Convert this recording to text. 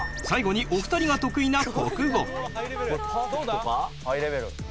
最後にお二人が得意な国語。